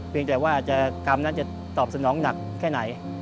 แต่ว่ากรรมนั้นจะตอบสนองหนักแค่ไหน